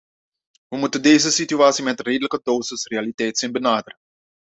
We moeten deze situatie met een redelijke dosis realiteitszin benaderen.